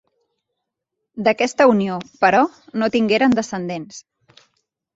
D'aquesta unió, però, no tingueren descendents.